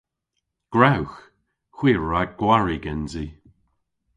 Gwrewgh! Hwi a wra gwari gensi.